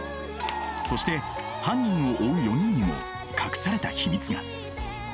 そして犯人を追う４人にも隠された秘密が。